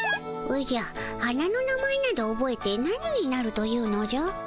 おじゃ花の名前などおぼえて何になるというのじゃ？